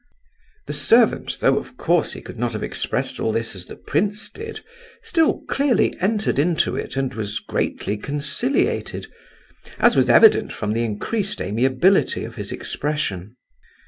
The servant, though of course he could not have expressed all this as the prince did, still clearly entered into it and was greatly conciliated, as was evident from the increased amiability of his expression.